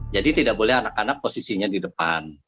jadi tidak boleh anak anak posisinya di depan